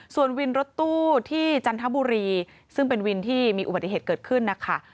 ส่วนวินรถตู้ที่จันทบุรีซึ่งเป็นวินที่มีอุบัติเหตุเกิดขึ้นนะคะ